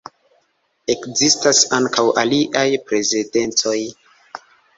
Ekzistas ankaŭ aliaj precedencoj.